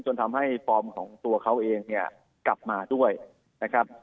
จนทำให้ฟอร์มของตัวเขาเองเนี่ยกลับมาด้วยนะครับ